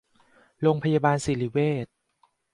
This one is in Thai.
โรงพยาบาลสิริเวช